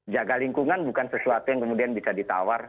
jaga lingkungan bukan sesuatu yang kemudian bisa ditawar